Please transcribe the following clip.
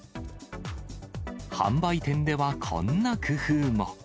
販売店ではこんな工夫も。